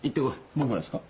僕がですか？